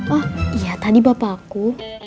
oh iya tadi bapakku